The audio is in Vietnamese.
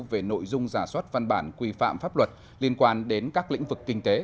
về nội dung giả soát văn bản quy phạm pháp luật liên quan đến các lĩnh vực kinh tế